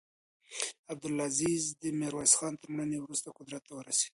عبدالعزیز د میرویس خان تر مړینې وروسته قدرت ته ورسېد.